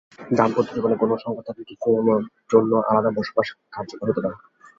দাম্পত্য জীবনে কোনো সংকট থাকলে কিছুদিনের জন্য আলাদা বসবাস কার্যকর হতে পারে।